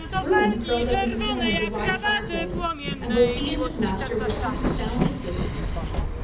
Bruin curled up in a corner of the wide fire place, and both he and his master were soon sound asleep.